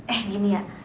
eh gini ya